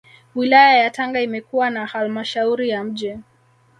Wilaya ya Tanga imekuwa na Halmashauri ya Mji